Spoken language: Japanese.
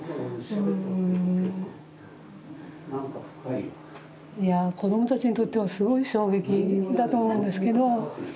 いや子どもたちにとってはすごい衝撃だと思うんですけど。